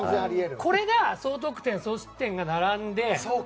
これで、総得点総失点で並んで。